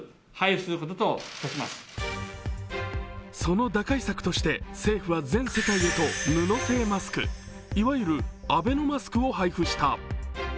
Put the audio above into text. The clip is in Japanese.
その打開策として政府は全世帯へと布製マスクいわゆるアベノマスクを配布した。